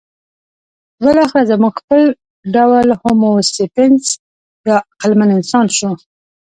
بالاخره زموږ خپل ډول هومو سیپینز یا عقلمن انسان شو.